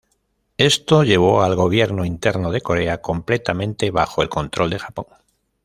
Esto llevó al gobierno interno de Corea completamente bajo el control de Japón.